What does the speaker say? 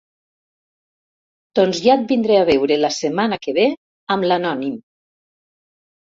Doncs ja et vindré a veure la setmana que ve amb l'anònim.